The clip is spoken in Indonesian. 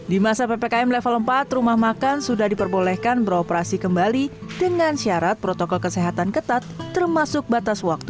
di masa ppkm level empat rumah makan sudah diperbolehkan beroperasi kembali dengan syarat protokol kesehatan ketat termasuk batas waktu